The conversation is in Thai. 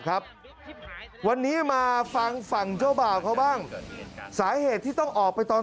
ครับวันนี้มาฟังฝั่งเจ้าบ่าวเขาบ้างสาเหตุที่ต้องออกไปตอน